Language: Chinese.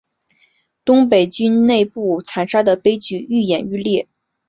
东北军内部残杀的悲剧愈演愈烈。